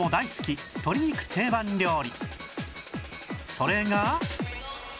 それが